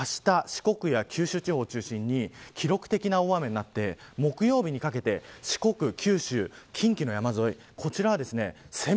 特にあした四国や九州地方を中心に記録的な大雨になって木曜日にかけて四国、九州、近畿の山沿い